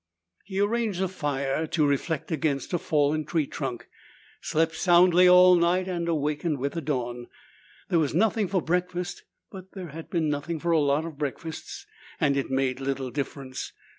He arranged a fire to reflect against a fallen tree trunk, slept soundly all night, and awakened with dawn. There was nothing for breakfast, but there had been nothing for a lot of breakfasts and it made little difference.